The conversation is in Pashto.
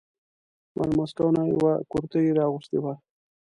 ما له مسکو نه یوه کرتۍ را اغوستې وه.